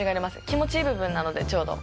気持ちいい部分なのでちょうど。